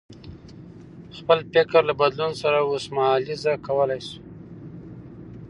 خپل فکر له بدلون سره اوسمهالیزه کولای شو.